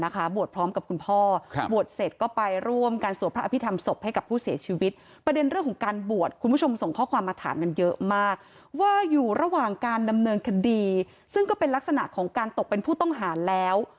การลำเนินคดีซึ่งก็เป็นลักษณะของการตกเป็นผู้ต้องหาแล้ว